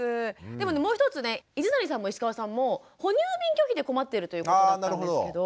でもねもう一つね泉谷さんも石川さんも哺乳瓶拒否で困ってるということだったんですけど。